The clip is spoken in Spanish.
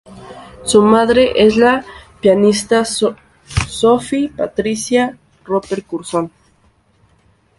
Su madre es la pianista Sophie Patricia Roper-Curzon.